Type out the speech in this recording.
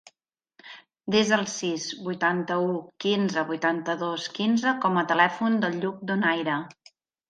Desa el sis, vuitanta-u, quinze, vuitanta-dos, quinze com a telèfon del Lluc Donaire.